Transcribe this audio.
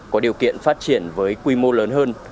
có điều kiện phát triển với quy mô lớn hơn